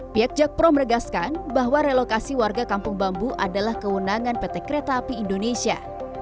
pihak jakpro meregaskan bahwa relokasi warga kampung bambu adalah kewenangan pt kereta api indonesia